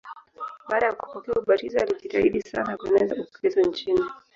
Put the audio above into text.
Baada ya kupokea ubatizo alijitahidi sana kueneza Ukristo nchini.